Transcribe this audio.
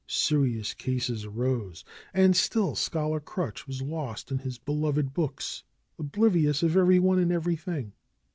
Serious cases arose, and still Scholar Crutch was lost in his be loved books, oblivious of everyone and everything.